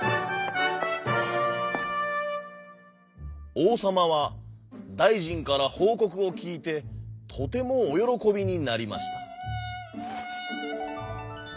おうさまはだいじんからほうこくをきいてとてもおよろこびになりました。